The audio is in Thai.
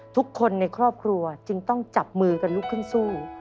ทุกคนในครอบครัวจึงต้องจับมือกันลุกขึ้นสู้